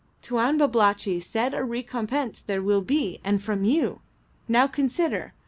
Tuan Babalatchi said a recompense there will be, and from you. Now consider.